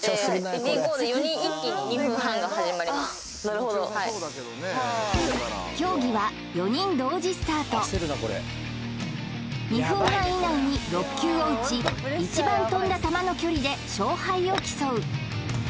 あっなるほど競技は４人同時スタート２分半以内に６球を打ち一番飛んだ球の距離で勝敗を競う